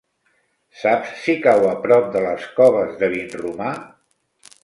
Saps si cau a prop de les Coves de Vinromà?